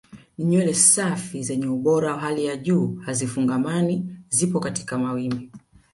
Ni nywele safi zenye ubora wa hali ya juu hazifungamani zipo katika mawimbi